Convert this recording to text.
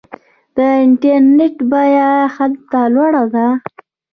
د انټرنیټ بیه هلته لوړه ده.